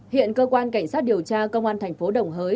hiện cơ quan cảnh sát điều tra công an thành phố đồng hới